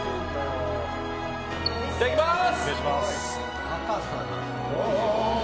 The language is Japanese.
いただきます！